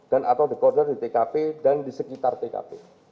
dan atau dekoder di tkp dan di sekitar tkp